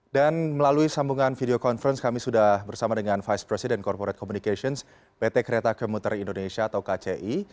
dan melalui sambungan video conference kami sudah bersama dengan vice president corporate communications pt kereta kemuter indonesia atau kci